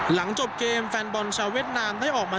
หลังจบเกมแฟนบอลชาวเวียดนามได้ออกมา